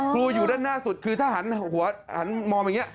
ครูอยู่ด้านหน้าสุดคือถ้าหันมองอย่างนี้